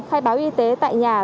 khai báo y tế tại nhà